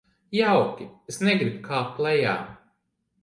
Jauki, es negribu kāpt lejā.